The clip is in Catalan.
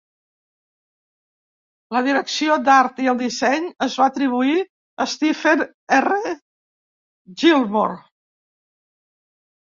La direcció d'art i el disseny es va atribuir a Steven R. Gilmore.